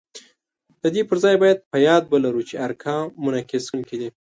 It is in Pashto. د دې پر ځای باید په یاد ولرو چې ارقام منعکس کوونکي دي